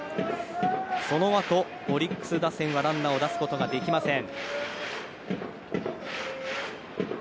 そのあとオリックス打線はランナーを出すことができません。